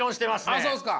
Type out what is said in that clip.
あっそうですか。